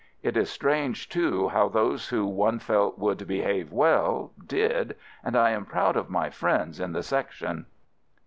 It is strange, too, how those who one felt would behave well — did — and I am proud of my friends in the Section.